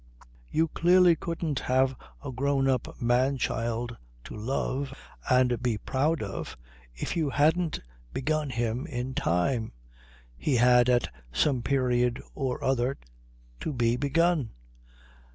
You clearly couldn't have a grown up man child to love and be proud of if you hadn't begun him in time, he had at some period or other to be begun.